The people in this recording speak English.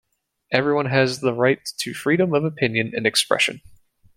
Everyone has the right to freedom of opinion and expression.